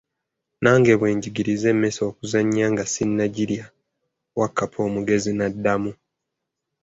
Nange bwe njigiriza emmese okuzanya nga sinagyirya, Wakkapa omugezi n'addamu.